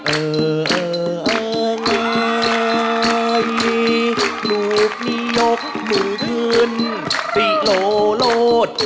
เออเออเอาไงลูกนี้ยกมือขึ้นสิโลโลด